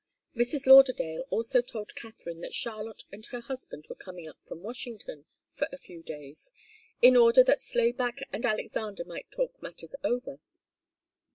Mrs. Lauderdale also told Katharine that Charlotte and her husband were coming up from Washington for a few days, in order that Slayback and Alexander might talk matters over.